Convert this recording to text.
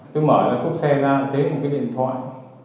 tôi mở ra cúp xe ra thấy một cái điện thoại